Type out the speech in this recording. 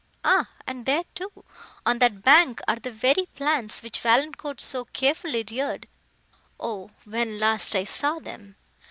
Ah! and there, too, on that bank, are the very plants, which Valancourt so carefully reared!—O, when last I saw them!"